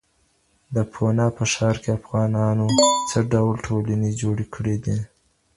د پونا په ښار کي افغانانو څه ډول ټولنې جوړې کړې دي؟